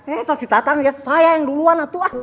eh pasti datang ya saya yang duluan atuh ah